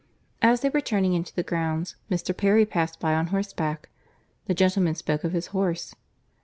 As they were turning into the grounds, Mr. Perry passed by on horseback. The gentlemen spoke of his horse.